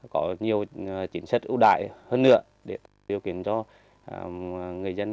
có nhiều chính sách ưu đại hơn nữa để tạo điều kiện cho người dân